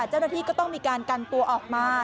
เจ้าหน้าที่ก็ต้องมีการกันตัวออกมา